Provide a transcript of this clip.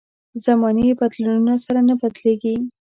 زمانې بدلونونو سره نه بدلېږي.